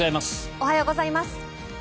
おはようございます。